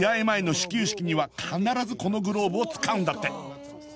前の始球式には必ずこのグローブを使うんだって！